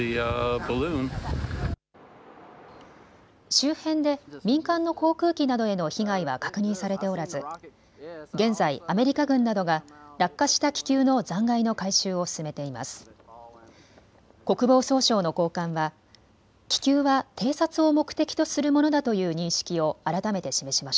周辺で民間の航空機などへの被害は確認されておらず現在、アメリカ軍などが落下した気球の残骸の回収を進めています。